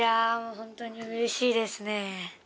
本当にうれしいですね。